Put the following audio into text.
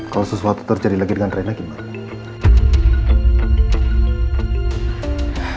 kalau sesuatu terjadi lagi dengan reina gimana